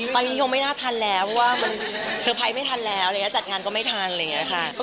ไปปีนี้ยังไม่น่าทันแล้วว่ามันสะพายไม่ทันแล้วจัดงานก็ไม่ทันอะไรอย่างนี้ค่ะ